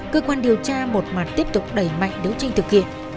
cơ quan điều tra một mặt tiếp tục đẩy mạnh đấu tranh thực hiện